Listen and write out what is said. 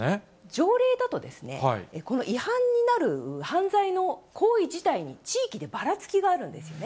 条例だとですね、違反になる犯罪の行為自体に、地域でばらつきがあるんですね。